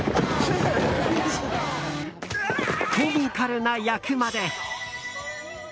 コミカルな役まで。